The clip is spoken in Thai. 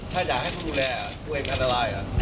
ไม่ได้ให้จับให้ได้